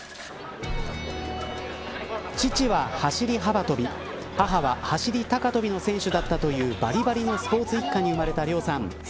父は走り幅跳び母は走り高跳びの選手だったというばりばりのスポーツ一家に生まれた綾さん。